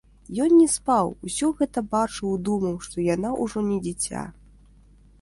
Ён не спаў, усё гэта бачыў і думаў, што яна ўжо не дзіця.